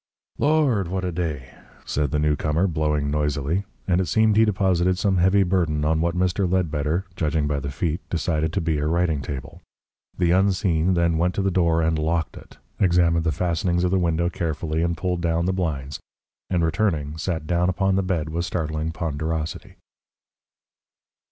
"Lord, what a day!" said the newcomer, blowing noisily, and it seemed he deposited some heavy burthen on what Mr. Ledbetter, judging by the feet, decided to be a writing table. The unseen then went to the door and locked it, examined the fastenings of the windows carefully and pulled down the blinds, and returning sat down upon the bed with startling ponderosity.